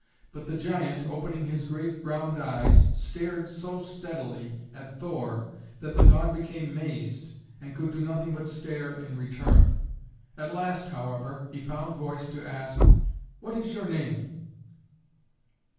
But the giant, opening his great round eyes, stared so steadily at Thor that the god became mazed and could do nothing but stare in return. At last, however, he found voice to ask, "What is your name?"